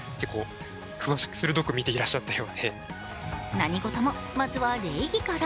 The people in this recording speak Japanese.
何事もまずは礼儀から。